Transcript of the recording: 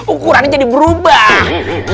ukurannya jadi berubah